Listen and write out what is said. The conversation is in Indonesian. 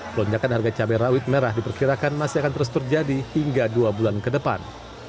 pelonjakan harga cabai rawit merah diperkirakan masih akan terus terjadi hingga dua bulan ke depan